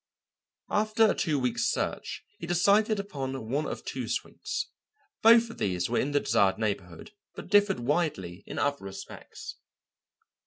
After a two weeks' search, he had decided upon one of two suites; both of these were in the desired neighbourhood but differed widely in other respects.